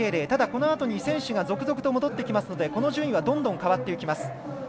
ただしこのあとに選手が続々と戻ってきますのでこの順位はどんどん変わっていきます。